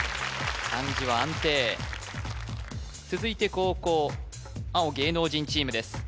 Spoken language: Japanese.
漢字は安定続いて後攻青芸能人チームです